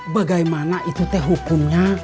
bagaimana itu teh hukumnya